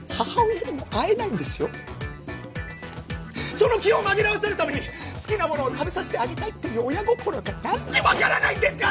その気を紛らわせるために好きなものを食べさせてあげたいっていう親心がなんでわからないんですか！？